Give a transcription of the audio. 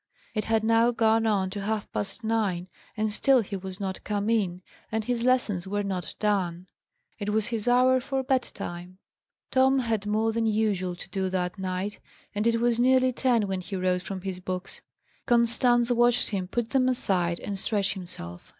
It had now gone on to half past nine, and still he was not come in, and his lessons were not done. It was his hour for bed time. Tom had more than usual to do that night, and it was nearly ten when he rose from his books. Constance watched him put them aside, and stretch himself.